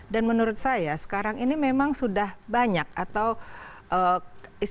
dan menurut saya sekarang ini memang sudah banyak atau istilahnya orang itu ya